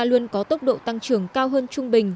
luôn có tốc độ tăng trưởng cao hơn trung bình